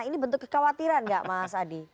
ini bentuk kekhawatiran nggak mas adi